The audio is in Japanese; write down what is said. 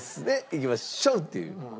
いきましょう！っていう。